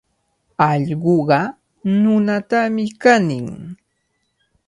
Allquqa nunatami kanin.